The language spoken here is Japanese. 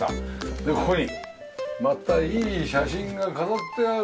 でここにまたいい写真が飾ってある。